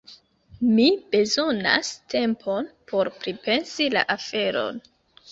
Mi bezonas tempon por pripensi la aferon.